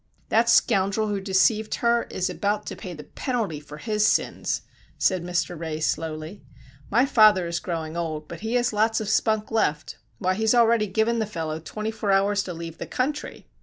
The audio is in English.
"That scoundrel who deceived her is about to pay the penalty for his sins," said Mr. Ray, slowly. "My father is growing old, but he has lots of spunk left. Why, he has already given the fellow twenty four hours to leave the country.